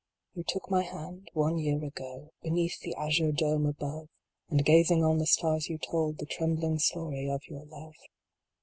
You took my hand one year ago, Beneath the azure dome above, And gazing on the stars you told The trembling story of your love.